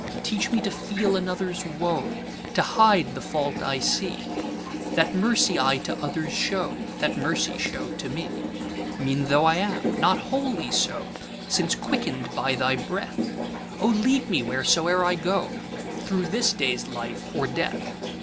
Teach me to feel another's woe, To hide the fault I see:That mercy I to others show, That mercy show to me. Mean tho' I am, not wholly so, Since quicken'd by thy breath;O lead me, whereso'er I go, Thro' this day's life or death!